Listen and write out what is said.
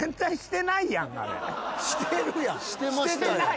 してない。